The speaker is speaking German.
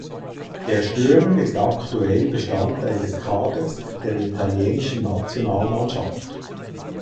Der Stürmer ist aktuell Bestandteil des Kaders der italienischen Nationalmannschaft.